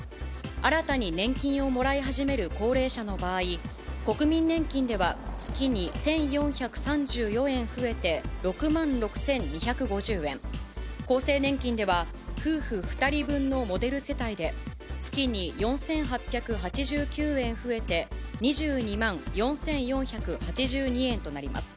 新たに年金をもらい始める高齢者の場合、国民年金では月に１４３４円増えて６万６２５０円、厚生年金では夫婦２人分のモデル世帯で、月に４８８９円増えて２２万４４８２円となります。